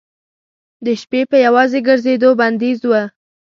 د شپې په یوازې ګرځېدو بندیز و.